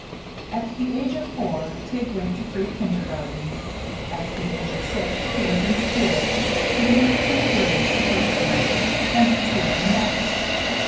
At the age of four Tig went to free kindergarten; at the age of six he was in school, and made three grades the first year and two the next.